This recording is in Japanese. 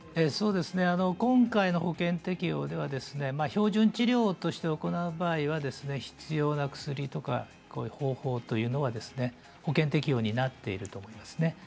今回の保険適用では標準治療として行う場合は必要な薬とか方法というのは保険適用になっていると思いますね。